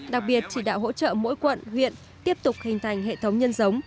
đặc biệt chỉ đạo hỗ trợ mỗi quận huyện tiếp tục hình thành hệ thống nhân giống